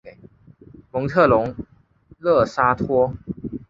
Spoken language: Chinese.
蒙特龙勒沙托。